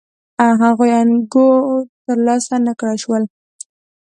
هغې انګور ترلاسه نه کړای شول.